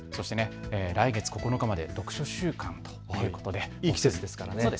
来月９日まで読書週間ということで、いい季節ですからね。